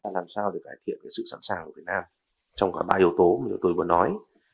làm sao để cải thiện sự sẵn sàng của việt nam trong cả ba yếu tố mà như tôi vừa nói